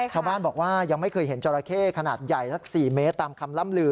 ชาวบ้านบอกว่ายังไม่เคยเห็นจราเข้ขนาดใหญ่นัก๔เมตรตามคำล่ำลือ